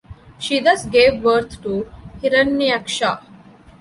She thus gave birth to Hiranyaksha.